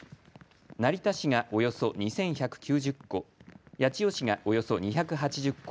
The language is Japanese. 成田市が、およそ２１９０戸八千代市が、およそ２８０戸